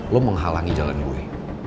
lo menghalangi jalan gue